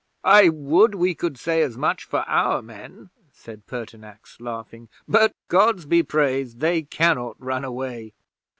'"I would we could say as much for our men," said Pertinax, laughing. "But, Gods be praised, they cannot run away."